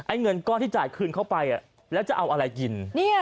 เงินก้อนที่จ่ายคืนเขาไปแล้วจะเอาอะไรกิน